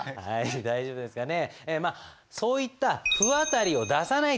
大丈夫ですかね。